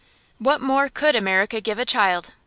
What more could America give a child?